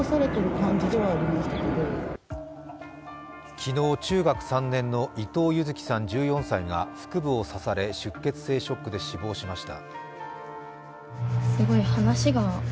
昨日、中学３年の伊藤柚輝さん１４歳が腹部を刺され、出血性ショックで死亡しました。